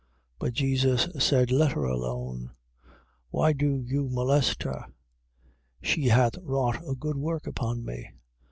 14:6. But Jesus said: Let her alone. Why do You molest her? She hath wrought a good work upon me.